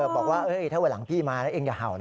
บอกว่าถ้าวันหลังพี่มาแล้วเองอย่าเห่านะ